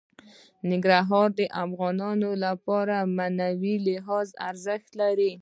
ننګرهار د افغانانو لپاره په معنوي لحاظ ارزښت لري.